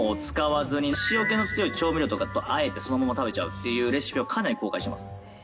つゆってものを使わずに塩気の強い調味料とかとあえてそのまま食べちゃうっていうレシピをかなり公開してます。